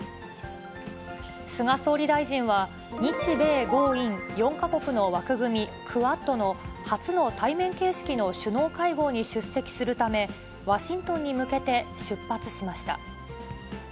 菅総理大臣は、日米豪印４か国の枠組み、クアッドの初の対面形式の首脳会合に出席するため、ワシントンに向けて出発しました。